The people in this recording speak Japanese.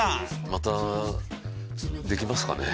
またできますかね。